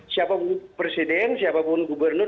siapapun presiden siapapun gubernur